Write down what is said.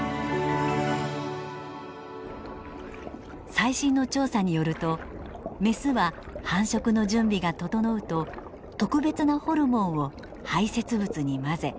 最新の調査によるとメスは繁殖の準備が整うと特別なホルモンを排せつ物に混ぜアピールするといいます。